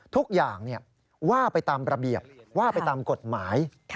ทุกอย่างว่าไปตามระเบียบว่าไปตามกฎหมาย